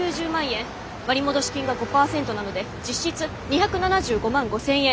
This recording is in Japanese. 割戻金が５％なので実質２７５万５，０００円。